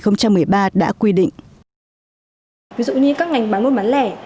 ví dụ như các ngành bán buôn bán lẻ